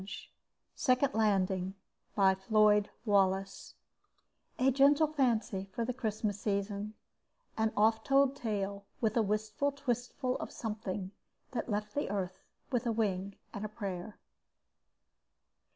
net SECOND LANDING By FLOYD WALLACE _A gentle fancy for the Christmas Season an oft told tale with a wistful twistful of Something that left the Earth with a wing and a prayer.